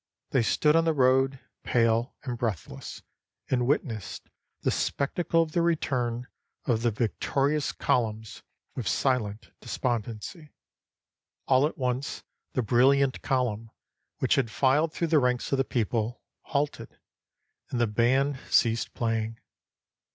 They stood on the road, pale and breathless, and witnessed the spectacle of the return of the victori ous columns with silent despondency. All at once the brilliant column, which had filed through the ranks of the people, halted, and the band ceased playing.